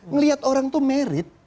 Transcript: ngelihat orang itu merit